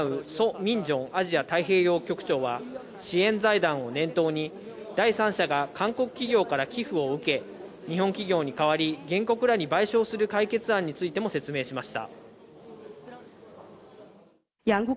・ミンジョンアジア太平洋局長は支援財団を念頭に第三者が韓国企業から寄付を受け、日本企業に代わり原告らに賠償する解決案についても説明しました。